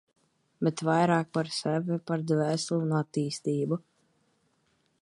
Bet vairāk par sevi, par dvēseli un attīstību.